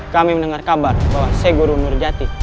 kami mendengar kabar bahwa syekh guru nurjati